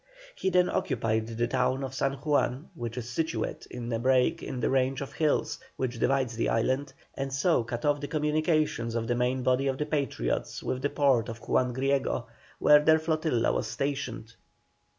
He then occupied the town of San Juan, which is situate in a break in the range of hills which divides the island, and so cut off the communications of the main body of the Patriots with the port of Juan Griego, where their flotilla was stationed.